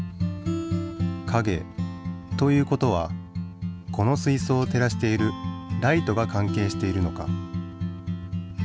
かげという事はこの水そうを照らしているライトが関係しているのか？